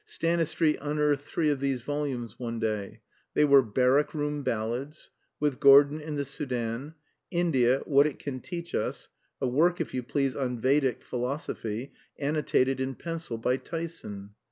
Stanistreet unearthed three of these volumes one day. They were "Barrack Room Ballads," "With Gordon in the Soudan," "India: What it can Teach Us" a work, if you please, on Vedic philosophy, annotated in pencil by Tyson.